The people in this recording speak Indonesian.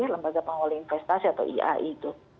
lembaga pengolah investasi atau iai itu